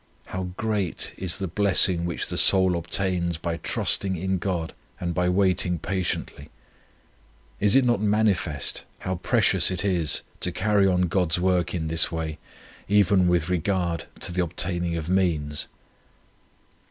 How great is the blessing which the soul obtains by trusting in God, and by waiting patiently. Is it not manifest how precious it is to carry on God's work in this way, even with regard to the obtaining of means?"